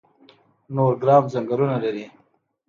نورګرام ځنګلونه لري؟